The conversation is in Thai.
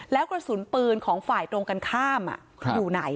แล้วกระสุนปืนของฝ่ายตรงกันข้ามอยู่ไหน